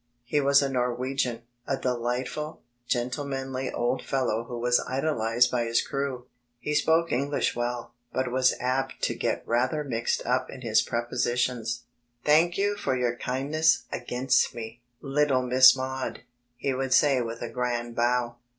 He was a Norwegian, a delightful, gendemanly old fellow who was idolized by his crew. He spoke English well, but was apt to get rather mixed up in his prepositions. "Thank you for your kindness against me, little Miss Maud," he would say with a grand bow.